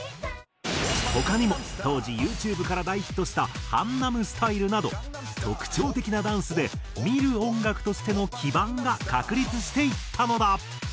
他にも当時ユーチューブから大ヒットした『江南スタイル』など特徴的なダンスで見る音楽としての基盤が確立していったのだ。